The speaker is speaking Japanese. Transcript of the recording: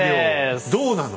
どうなの？